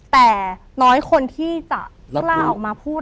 แต่น้อยคนที่จะกล้าออกมาพูด